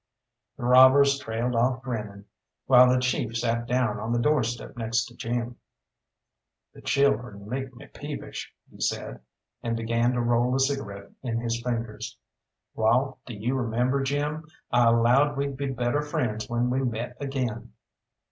The robbers trailed off grinning, while the chief sat down on the doorstep next to Jim. "The children make me peevish," he said, and began to roll a cigarette in his fingers. "Wall, do you remember, Jim? I allowed we'd be better friends when we met again."